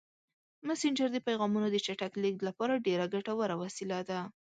مسېنجر د پیغامونو د چټک لیږد لپاره ډېره ګټوره وسیله ده.